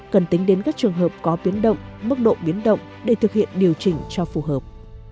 cần tính đến các trường hợp có biến động mức độ biến động để thực hiện điều chỉnh cho phù hợp